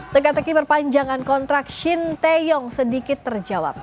tegak tegi perpanjangan kontrak shin taeyong sedikit terjawab